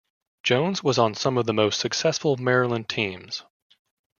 Jones was on some of the most successful Maryland teams.